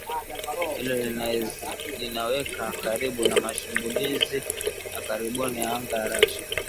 Hilo linawaweka karibu na mashambulizi ya karibuni ya anga ya Russia